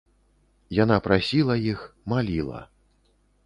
Яна прасіла іх, маліла.